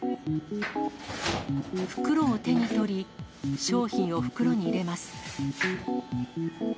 袋を手に取り、商品を袋に入れます。